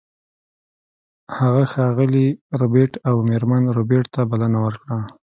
هغه ښاغلي ربیټ او میرمن ربیټ ته بلنه ورکړه